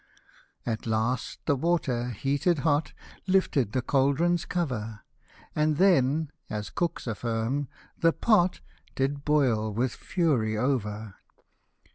At last the water, heated hot, Lifted the caul dron's cover ; And then (as cooks affirm) the pot Did boil with fury over.